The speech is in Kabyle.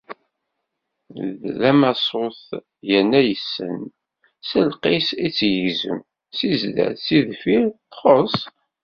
D amaṣṣut yerna yessen. S lqis i tt-yegzem. Si zdat, si deffir, txuṣṣ.